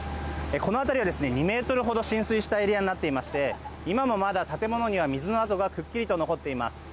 この辺りは２ｍほど浸水したエリアになっていまして今もまだ建物には水の跡がくっきりと残っています。